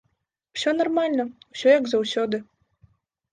Усё нармальна, усё як заўсёды.